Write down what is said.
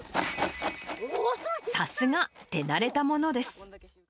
さすが、手慣れたものです。